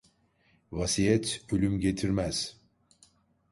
Vasiyet ölüm getirmez.